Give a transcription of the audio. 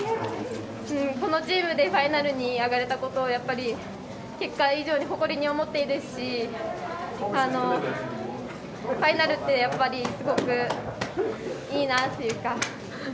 このチームでファイナルに上がれたことは結果以上に誇りに思っているしファイナルってやっぱりすごくいいなというか。